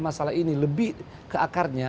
masalah ini lebih ke akarnya